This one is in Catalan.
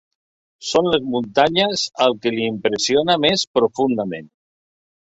Són les muntanyes el que li impressiona més profundament.